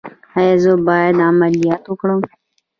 ایا زه باید عملیات وکړم؟